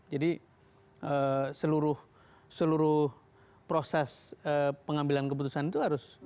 jadi seluruh seluruh proses pengambilan keputusan itu harus